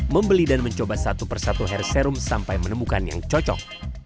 membeli dan mencoba satu persatu hair serum sampai menemukan yang cocok